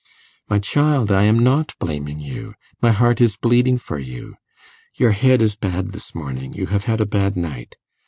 'My child, I am not blaming you my heart is bleeding for you. Your head is bad this morning you have had a bad night.